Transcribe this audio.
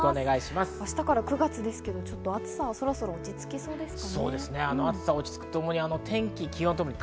明日から９月ですけれど暑さは、そろそろ落ち着きそうですね。